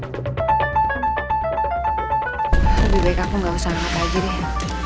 lebih baik aku gak usah ngetaji deh